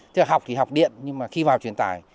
thì học thì học điện nhưng mà khi vào truyền tải